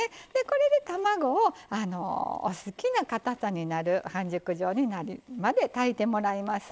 これで卵をお好きなかたさになる半熟状になるまで炊いてもらいます。